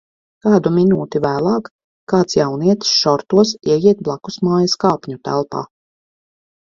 Kādu minūti vēlāk kāds jaunietis šortos ieiet blakusmājas kāpņutelpā.